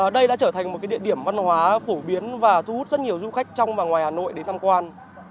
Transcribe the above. đây đã trở thành một địa điểm văn hóa phổ biến và thu hút rất nhiều du khách trong và ngoài hà nội đến tham quan